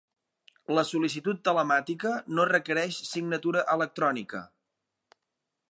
La sol·licitud telemàtica no requereix signatura electrònica.